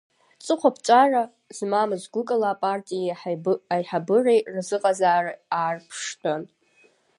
Ҵыхәаԥҵәара змамыз гәыкала апартиеи аиҳабыреи рзыҟазаара аарԥштәын.